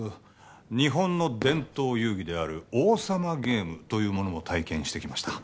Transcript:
日本の伝統遊戯である王様ゲームというものも体験してきました